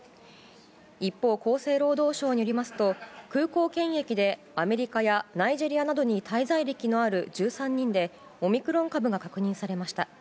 一方、厚生労働省によりますと空港検疫でアメリカやナイジェリアなどに滞在歴のある１３人でオミクロン株が確認されました。